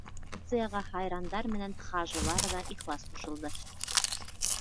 Акцияға һайрандар менән хажылар ҙа ихлас ҡушылды.